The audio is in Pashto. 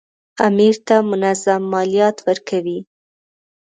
امیر ته منظم مالیات ورکوي.